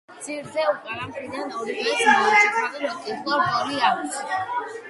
ძირზე უკანა მხრიდან ორივეს მოუჭიქავი მოწითალო რგოლი აქვს.